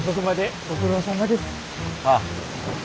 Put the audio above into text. ああ。